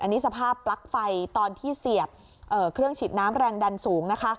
อันนี้สภาพปลั๊กไฟตอนที่เสียบเครื่องฉีดน้ำแรงดันสูงนะคะ